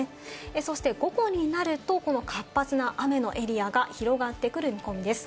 そして午後になるとこの活発な雨のエリアが広がってくる見込みです。